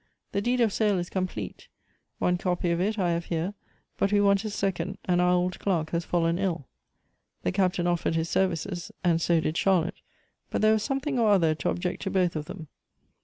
The deed of sale is complete. One copy of it I have here, but we want a second, and our old clerk has fallen ill." The Captain offered his services, and so did Charlotte, but there was something or other to object to both of them.